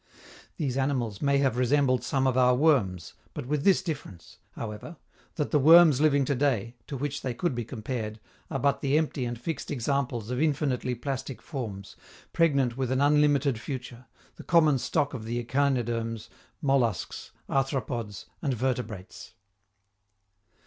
These animals may have resembled some of our worms, but with this difference, however, that the worms living to day, to which they could be compared, are but the empty and fixed examples of infinitely plastic forms, pregnant with an unlimited future, the common stock of the echinoderms, molluscs, arthropods, and vertebrates.